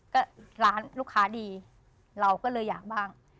ก็ร้านลูกค้าดีเราก็เลยอยากบ้าง